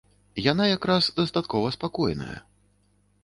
Яна якраз дастаткова спакойная.